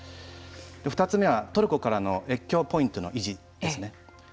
２つ目はトルコからの越境ポイントの維持ですね。